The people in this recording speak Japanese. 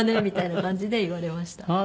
みたいな感じで言われました。